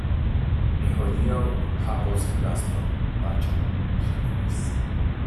Ni hodiaŭ havos gaston, paĉjo, ŝi diris.